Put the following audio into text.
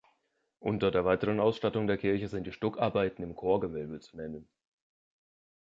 Unter der weiteren Ausstattung der Kirche sind die Stuckarbeiten im Chorgewölbe zu nennen.